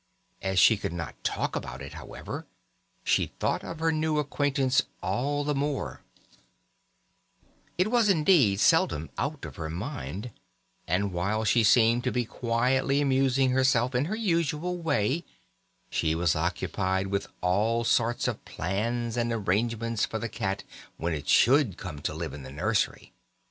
As she could not talk about it, however, she thought of her new acquaintance all the more; it was indeed seldom out of her mind, and while she seemed to be quietly amusing herself in her usual way, she was occupied with all sorts of plans and arrangements for the cat when it should come to live in the nursery.